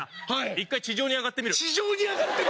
１回地上に上がってみる。